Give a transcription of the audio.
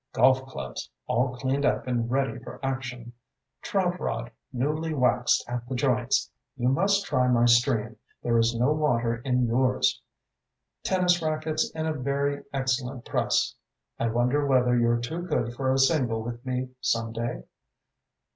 Golf clubs, all cleaned up and ready for action; trout rod, newly waxed at the joints you must try my stream, there is no water in yours; tennis racquets in a very excellent press I wonder whether you're too good for a single with me some day?